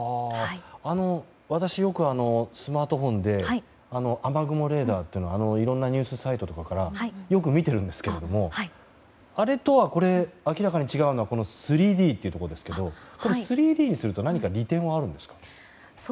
私よく、スマートフォンで雨雲レーダーっていろんなニュースサイトなどから見ているんですがあれとは、これ明らかに違うのは３Ｄというところですけど３Ｄにすると何か利点はあるんですか。